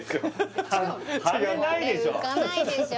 羽根ないでしょ